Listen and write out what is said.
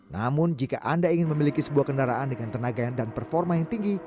namun jika anda ingin memiliki sebuah kendaraan dengan tenaga dan performa yang tinggi